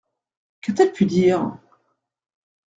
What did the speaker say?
Qu’a-t-elle pu dire ?…